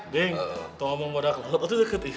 beng toh ngomong badak laut itu deket nih